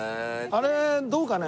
あれどうかね？